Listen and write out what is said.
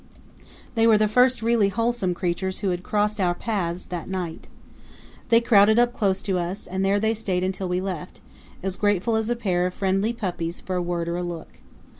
They were the first really wholesome creatures who had crossed our paths that night. They crowded up close to us and there they stayed until we left, as grateful as a pair of friendly puppies for a word or a look.